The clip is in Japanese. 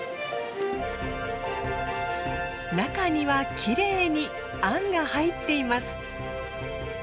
中にはきれいにあんが入っています。